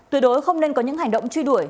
tuyệt đối không nên có những hành động truy đuổi